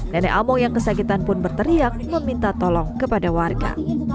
nenek among yang kesakitan pun berteriak meminta tolong kepada warga